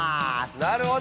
なるほど。